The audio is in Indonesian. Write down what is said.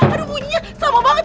aduh bunyinya sama banget